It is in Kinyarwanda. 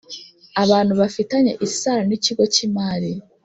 abantu bafitanye isano n ikigo cy imari